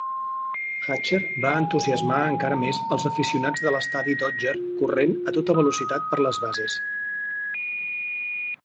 Hatcher va entusiasmar encara més els aficionats de l'estadi de Dodger corrent a tota la velocitat per les bases.